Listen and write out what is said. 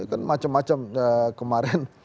kan macam macam kemarin